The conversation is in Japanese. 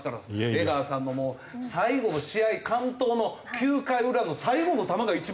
江川さんのもう最後の試合完投の９回裏の最後の球が一番速いのよ。